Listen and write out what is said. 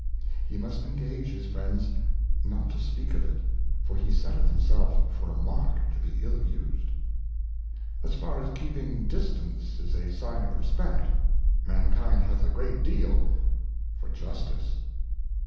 He must engage his Friends not to speak of it ; for he setteth himself for a Mark to be ill used. Jti.itice. AS far as keeping distance is a sign of Respect, Mankind hath a great deal for Justice.